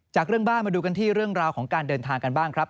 จากเรื่องบ้านมาดูกันที่เรื่องราวของการเดินทางกันบ้างครับ